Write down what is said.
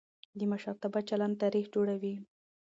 د مشرتابه چلند تاریخ جوړوي